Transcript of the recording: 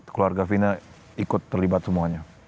keluarga vina ikut terlibat semuanya